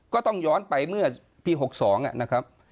ก็ต้องย้อนไปเมื่อปี๖๒นะครับ